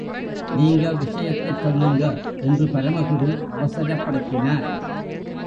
நீங்க விஷயத்தைச் சொல்லுங்க, என்று பரமகுரு அவசரப்படுத்தினார்.